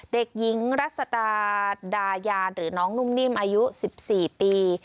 เด็กหญิงรัศตาดายานหรือน้องนุ่มนิ่มอายุ๑๔ปี